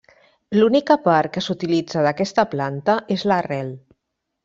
L'única part que s'utilitza d'aquesta planta és l'arrel.